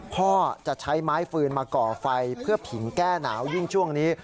พ่อจะใช้ไม้ฟืนมาก่อไฟเพื่อผิงแก้หนาวยิ่งช่วงนี้